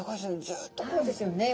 ずっとこうですよね。